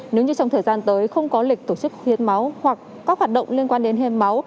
nếu như trong thời gian tới không có lịch tổ chức hiến máu hoặc các hoạt động liên quan đến hiến máu